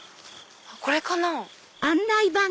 これかな？